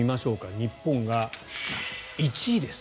日本が１位です。